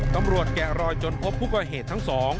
ตำรวจแกะรอยจนพบผู้ก่อเหตุทั้งสอง